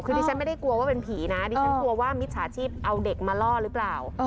คือดิฉันไม่ได้กลัวว่าเป็นผีนะดิฉันกลัวว่ามิจฉาชีพเอาเด็กมาล่อหรือเปล่า